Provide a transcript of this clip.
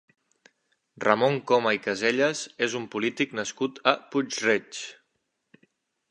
Ramon Coma i Casellas és un polític nascut a Puig-reig.